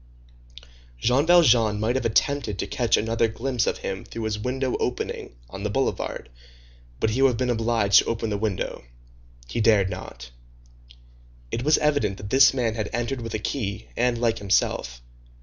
Jean Valjean might have attempted to catch another glimpse of him through his window opening on the boulevard, but he would have been obliged to open the window: he dared not. It was evident that this man had entered with a key, and like himself.